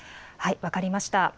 分かりました。